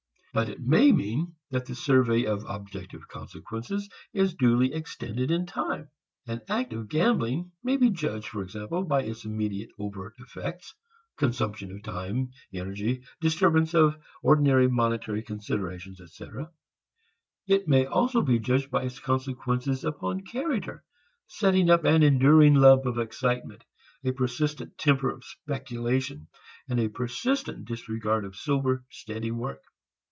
But it may mean that the survey of objective consequences is duly extended in time. An act of gambling may be judged, for example, by its immediate overt effects, consumption of time, energy, disturbance of ordinary monetary considerations, etc. It may also be judged by its consequences upon character, setting up an enduring love of excitement, a persistent temper of speculation, and a persistent disregard of sober, steady work.